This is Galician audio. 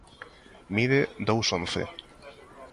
Mide dous once.